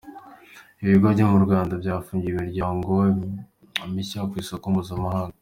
Ibigo byo mu Rwanda byafunguriwe imiryango mishya ku isoko mpuzamahanga.